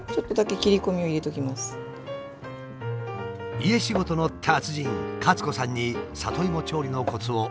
家仕事の達人カツ子さんに里芋調理のコツを教わります。